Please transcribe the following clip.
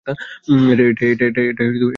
এটাই আমার চিন্তার কারণ।